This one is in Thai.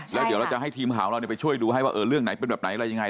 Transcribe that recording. แล้วเดี๋ยวเราจะให้ทีมข่าวเราไปช่วยดูให้ว่าเรื่องไหนเป็นแบบไหนอะไรยังไง